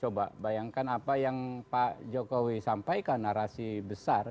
coba bayangkan apa yang pak jokowi sampaikan narasi besar